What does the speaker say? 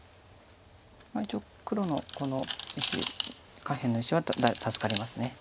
一応黒のこの石下辺の石は助かります。